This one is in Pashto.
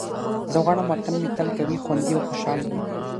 زه غواړم وطن مې تل قوي، خوندي او خوشحال وي.